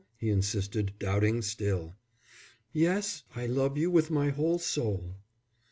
he insisted, doubting still. "Yes, I love you with my whole soul."